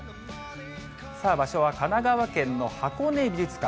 場所は神奈川県の箱根美術館。